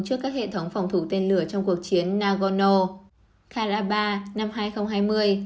trước các hệ thống phòng thủ tên lửa trong cuộc chiến nagorno karaba năm hai nghìn hai mươi